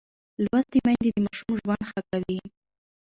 لوستې میندې د ماشوم ژوند ښه کوي.